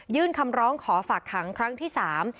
คำร้องขอฝากขังครั้งที่สาม